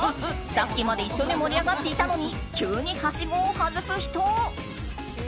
さっきまで一緒に盛り上がっていたのに急に、はしごを外す人。